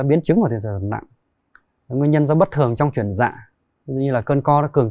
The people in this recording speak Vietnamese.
biến chứng của tiệt sản dật nặng nguyên nhân do bất thường trong chuyển dạ như là cơn co nó cường